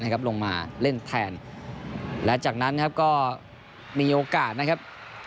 ลงมาเล่นแทนและจากนั้นนะครับก็มีโอกาสนะครับ